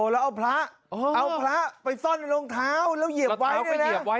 แล้วเอาพระเอาพระไปซ่อนในรองเท้าแล้วเหยียบไว้แล้วเท้าก็เหยียบไว้